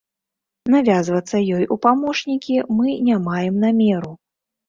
Навязвацца ёй у памочнікі мы не маем намеру.